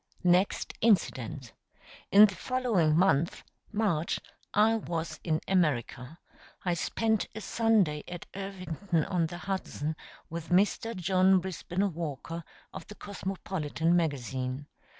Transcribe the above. Next incident. In the following month March I was in America. I spent a Sunday at Irvington on the Hudson with Mr. John Brisben Walker, of the Cosmopolitan magazine.